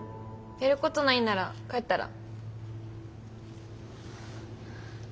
やることないんなら帰ったら？